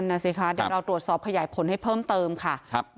เดี๋ยวเราตรวจสอบขยายผลให้เพิ่มเติมค่ะ